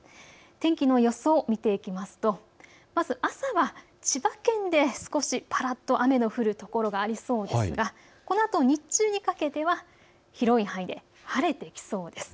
天気の予想を見ていきますとまず朝は千葉県で少しぱらっと雨の降る所がありそうですがこのあと日中にかけては広い範囲で晴れてきそうです。